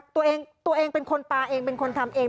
ตัวเองเป็นคนปลาเป็นคนทำเอง